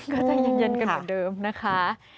ก็ใจเย็นกันเหมือนเดิมนะคะ